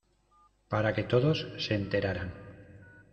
para que todos se enteraran